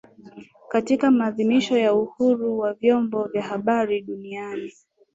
Katika maadhimisho ya uhuru wa vyombo vya habari duniani